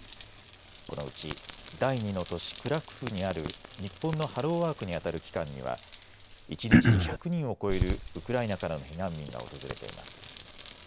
このうち第２の都市、クラクフにある日本のハローワークにあたる機関には１日に１００人を超えるウクライナからの避難民が訪れています。